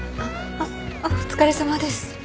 あっお疲れさまです。